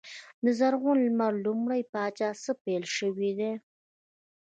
د زرغون لمر لومړي پاچا څخه پیل شوی دی.